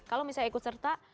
kalau misalnya ikut serta